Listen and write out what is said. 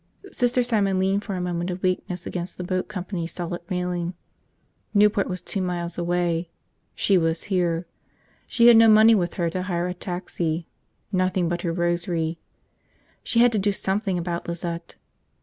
Sister Simon leaned for a moment of weakness against the boat company's solid railing. Newport was two miles away. She was here. She had no money with her to hire a taxi, nothing but her rosary. She had to do something about Lizette.